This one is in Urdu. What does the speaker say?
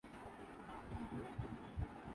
کورونا وائرس کی وبا کے دوران